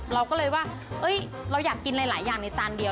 เราก็เลยว่าเราอยากกินหลายอย่างในจานเดียว